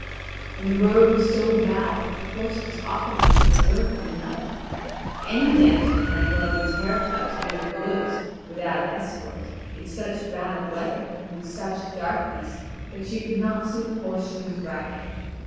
And the road was so bad that her horse was often up to the girth in mud; any damsel might well be terrified to be in the woods, without escort, in such bad weather and in such darkness that she could not see the horse she was riding.